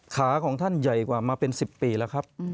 ขาของท่านใหญ่กว่ามาเป็น๑๐ปีแล้วครับ